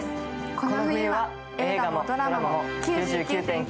この冬は映画もドラマも「９９．９」。